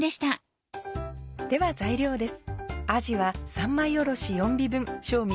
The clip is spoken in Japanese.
では材料です。